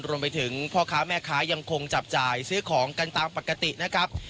รวมไปถึงพ่อค้าแม่ค้ายังคงจับจ่ายซื้อของกันตามปกตินะครับ